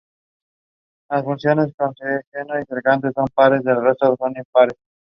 Las funciones coseno y secante son pares, el resto son impares.